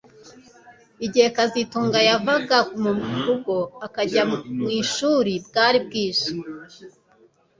Igihe kazitunga yavaga mu rugo akajya mu ishuri bwari bwije